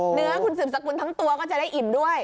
เนื้อคุณสืบสกุลทั้งตัวก็จะได้อิ่มด้วย